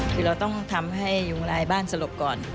คือเราต้องทำให้ยุงลายบ้านสลบก่อน